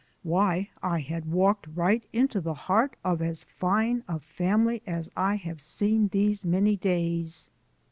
Why, I had walked right into the heart of as fine a family as I have seen these many days.